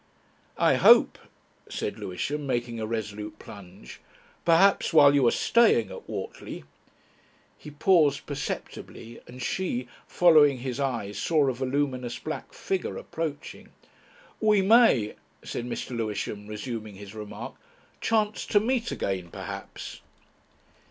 "I hope," said Lewisham, making a resolute plunge, "perhaps while you are staying at Whortley ..." He paused perceptibly, and she, following his eyes, saw a voluminous black figure approaching. "We may," said Mr. Lewisham, resuming his remark, "chance to meet again, perhaps."